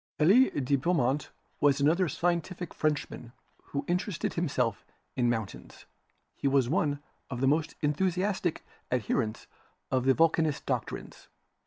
Elie de Beaumont was another scientific Frenchman who interested himself in mountains. He was one of the most enthusiastic adherents of the Vulcanist doctrines.